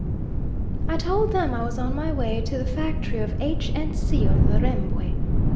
I told them I was on my way to the factory of H. and C. on the Rembwe.